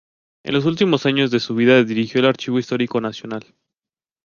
En los últimos años de su vida dirigió el Archivo Histórico Nacional.